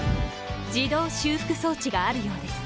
自動修復装置があるようです。